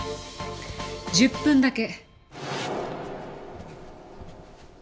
１０分だけ。